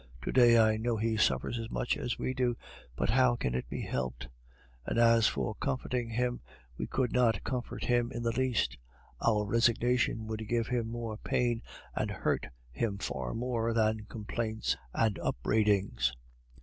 To day I know he suffers as much as we do, but how can it be helped? And as for comforting him, we could not comfort him in the least. Our resignation would give him more pain and hurt him far more than complaints and upbraidings.